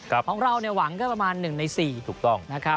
ของเราเนี่ยหวังก็ประมาณ๑ใน๔นะครับถูกต้อง